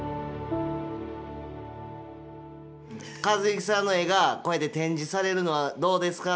「一幸さんの絵がこうやって展示されるのはどうですか？」